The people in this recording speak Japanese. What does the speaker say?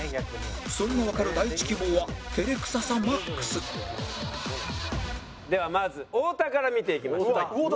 それがわかる第一希望は照れ臭さ ＭＡＸではまず太田から見ていきましょう。